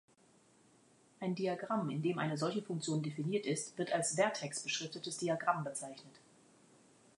Ein Diagramm, in dem eine solche Funktion definiert ist, wird als vertexbeschriftetes Diagramm bezeichnet.